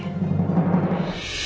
ya allah ya